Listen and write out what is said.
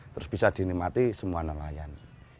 terus bisa dinikmati semua nelayan